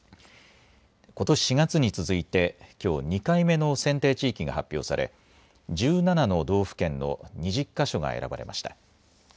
ことし４月に続いてきょう２回目の選定地域が発表され１７の道府県の２０か所が選ばれました。